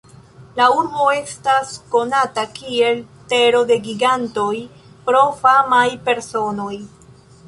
La urbo estas konata kiel "Tero de Gigantoj" pro famaj personoj.